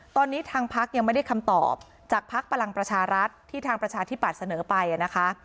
ตอนนี้ทางพักยังไม่ได้คำตอบจากภักดิ์พลังประชารัฐที่ทางประชาธิบัตย์เสนอไปนะคะ